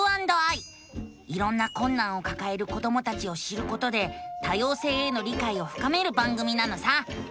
いろんなこんなんをかかえる子どもたちを知ることで多様性への理解をふかめる番組なのさ！